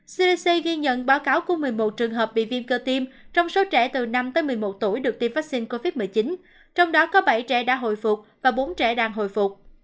cdc ghi nhận báo cáo của một mươi một trường hợp bị viêm cơ tim trong số trẻ từ năm tới một mươi một tuổi được tiêm vaccine covid một mươi chín trong đó có bảy trẻ đã hồi phục và bốn trẻ đang hồi phục